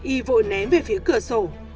y vội ném về phía cửa sổ